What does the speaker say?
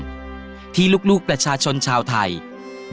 แต่ตอนเด็กก็รู้ว่าคนนี้คือพระเจ้าอยู่บัวของเรา